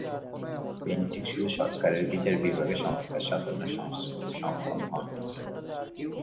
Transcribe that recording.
Bentinck শুধু সরকারের বিচার বিভাগে সংস্কার সাধনে সক্ষম হন।